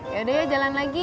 yaudah ya jalan lagi